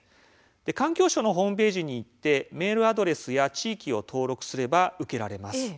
環境省のホームページにいってメールアドレスや地域を登録すれば受けられます。